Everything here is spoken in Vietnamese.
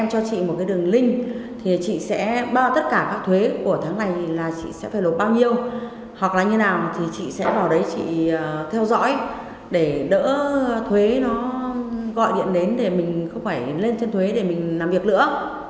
nói chung là chị phải theo dõi để đỡ thuế nó gọi điện đến để mình không phải lên trên thuế để mình làm việc nữa